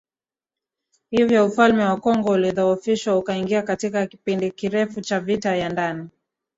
Hivyo Ufalme wa Kongo ulidhoofishwa ukaingia katika kipindi kirefu cha vita vya ndani